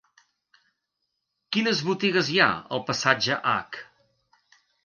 Quines botigues hi ha al passatge H?